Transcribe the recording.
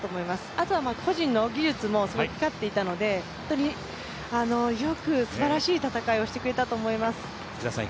あとは個人の技術も光っていたのですばらしい戦いをしてくれたと思います。